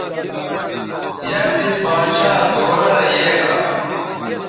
یک دیس باچھا دورہ رے یے گا